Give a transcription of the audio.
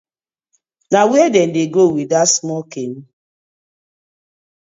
Na where uno dey go wit dat small canoe?